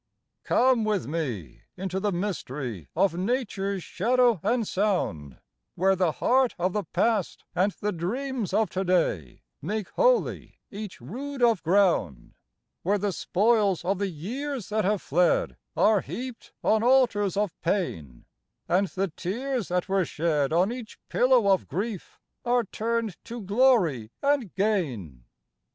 COME with me into the mystery of Nature's shadow and sound, Where the heart of the past and the dreams of to day make holy each rood of ground; Where the spoils of the years that have fled are heaped on altars of pain, And the tears that were shed on each pillow of grief are turned to glory and gain.